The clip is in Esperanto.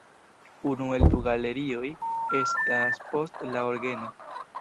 Unu el du galerioj estas post la orgeno.